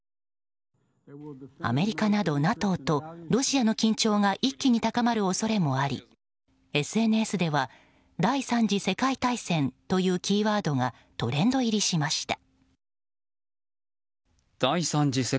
アメリカなどＮＡＴＯとロシアの緊張が一気に高まる恐れもありＳＮＳでは、第３次世界大戦というキーワードがトレンド入りしました。